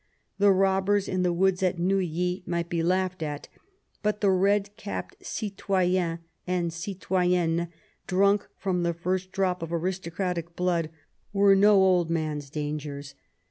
The robbers in the woods at Neuilly might be laughed at ; but the red capped citoyens and citoyennes, cbunk from the first drop of aristocratic bloody were no old man's dangers.